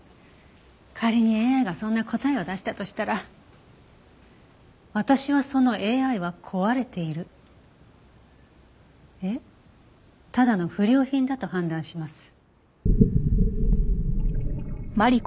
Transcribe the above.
仮にＡＩがそんな答えを出したとしたら私はそのＡＩは壊れているいえただの不良品だと判断します。